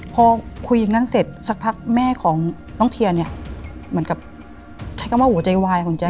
พอคุยอย่างนั้นเสร็จสักพักแม่ของน้องเทียนเนี่ยเหมือนกับใช้คำว่าหัวใจวายของแจ๊